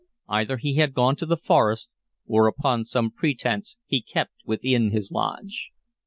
Either he had gone to the forest, or upon some pretense he kept within his lodge.